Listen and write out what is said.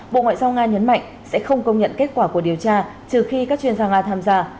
bộ ngoại giao nga nhấn mạnh sẽ không công nhận kết quả của điều tra trừ khi các chuyên gia nga tham gia